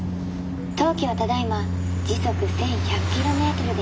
当機はただいま時速１，１００キロメートルで飛行中です」。